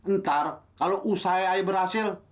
ntar kalau usaha saya berhasil